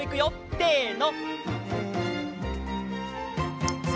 せの！